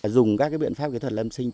dùng các biện pháp kỹ thuật lâm sinh